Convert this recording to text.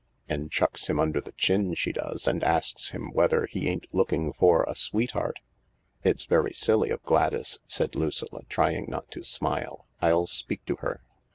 And chucks him under the chin, she does, and asks him whether he ain't looking for a sweetheart." 256 THE LARK " It's very silly of Gladys," said Lucilla, trying not to smile. " I'll speak to her."